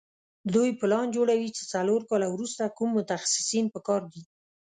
دوی پلان جوړوي چې څلور کاله وروسته کوم متخصصین په کار دي.